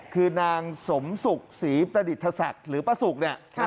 คือนางสมศุกร์ศรีประดิษฐศักดิ์หรือป้าสุกเนี่ย